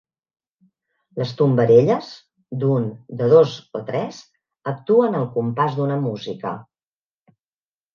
Les tombarelles, d’un, de dos o tres, actuen al compàs d’una música.